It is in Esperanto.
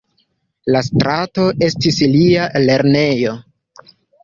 La strato estis lia lernejo.